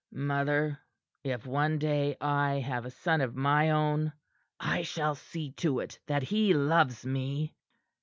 "Mother, if one day I have a son of my own, I shall see to it that he loves me."